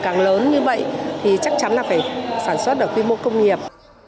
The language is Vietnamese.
càng lớn như vậy thì chắc chắn là phải sản xuất ở quy mô công nghiệp